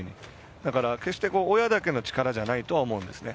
だから、決して親だけの力じゃないと思うんです。